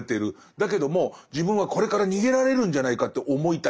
だけども自分はこれから逃げられるんじゃないかって思いたい。